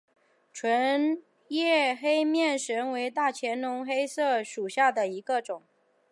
钝叶黑面神为大戟科黑面神属下的一个种。